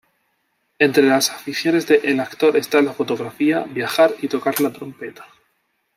Entre las aficiones de el actor está la fotografía, viajar y tocar la trompeta.